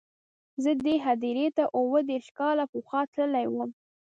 زه دې هدیرې ته اووه دېرش کاله پخوا تللی وم.